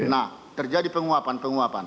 nah terjadi penguapan